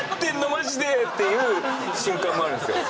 マジで！っていう瞬間もあるんですよ。